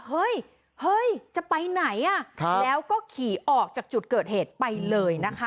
เฮ้ยเฮ้ยจะไปไหนแล้วก็ขี่ออกจากจุดเกิดเหตุไปเลยนะคะ